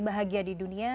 bahagia di dunia